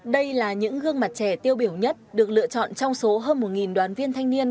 đây là những gương mặt trẻ tiêu biểu nhất được lựa chọn trong số hơn một đoàn viên thanh niên